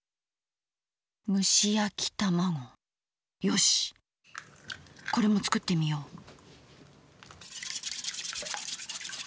むしやきたまごよしこれも作ってみよう。